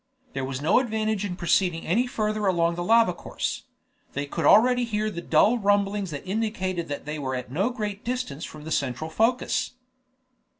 There was no advantage in proceeding any further along the lava course; they could already hear the dull rumblings that indicated that they were at no great distance from the central focus.